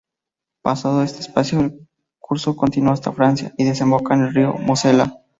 Pasado este espacio, el curso continúa hasta Francia y desemboca en el río Mosela.